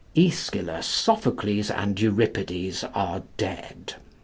Aeschylus, Sophocles, and Euripides are dead.